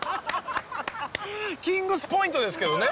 キングスポイントですけどね。